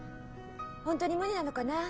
本当に無理なのかなあ。